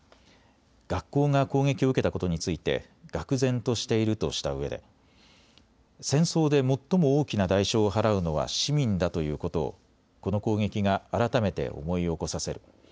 学校が攻撃を受けたことについてがく然としているとしたうえで戦争で最も大きな代償を払うのは市民だということをこの攻撃が改めて思い起こさせる。